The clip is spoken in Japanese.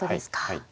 はい。